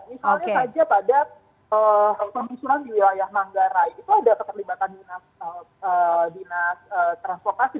misalnya saja pada pengusuran di wilayah manggara itu ada keterlibatan dinas transplokasi